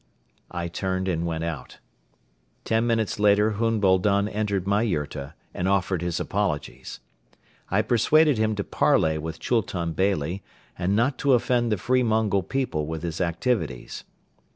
I turned and went out. Ten minutes later Hun Boldon entered my yurta and offered his apologies. I persuaded him to parley with Chultun Beyli and not to offend the free Mongol people with his activities.